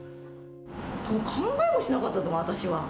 考えもしなかった、私は。